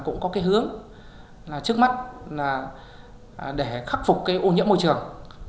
cũng có cái hướng trước mắt là để khắc phục ô nhiễm môi trường